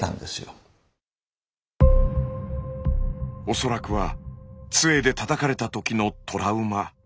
恐らくはつえでたたかれた時のトラウマ。